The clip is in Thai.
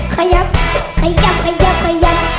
ขยับขยับขยับขยับ